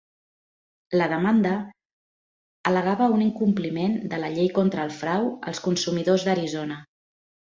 La demanda al·legava un incompliment de la Llei contra el frau als consumidors d'Arizona.